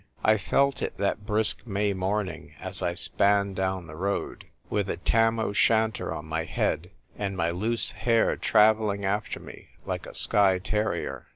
I felt it that brisk May morning as I span down the road, with a Tam o' Shantcr on my head, and my loose hair travelling after me like a Skye terrier.